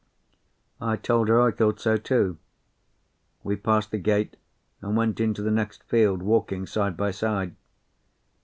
I told her I thought so, too. We passed the gate and went into the next field, walking side by side.